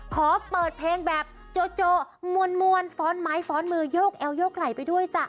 ขอเปิดเพลงแบบโจโจมวลฟ้อนไม้ฟ้อนมือโยกเอวโยกไหลไปด้วยจ้ะ